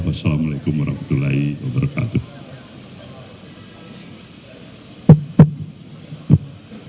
wassalamu alaikum warahmatullahi wabarakatuh